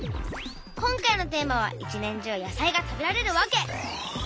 今回のテーマは「一年中野菜が食べられるわけ」。